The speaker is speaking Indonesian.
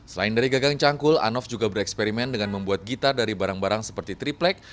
selain dari gagang cangkul anov juga bereksperimen dengan membuat gitar dari barang barang seperti triplek